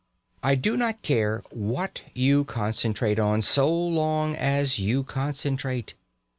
I do not care what you concentrate on, so long as you concentrate.